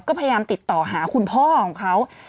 ก็พยายามติดต่อหาคุณพ่อของเขา